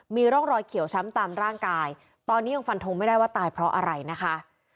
มีร่องรอยเขียวช้ำตามร่างกายตอนนี้ยังฟันทงไม่ได้ว่าตายเพราะอะไรนะคะ